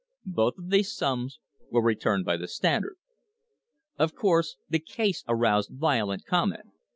Both of these sums were returned by the Standard.! Of course the case aroused violent comment.